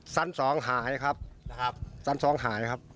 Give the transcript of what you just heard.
สั้น๒หายครับสั้น๒หายครับ